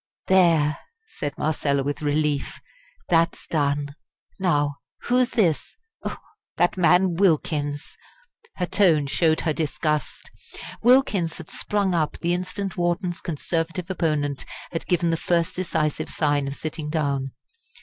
"There!" said Marcella, with relief, "that's done. Now, who's this? That man Wilkins!" Her tone showed her disgust. Wilkins had sprung up the instant Wharton's Conservative opponent had given the first decisive sign of sitting down.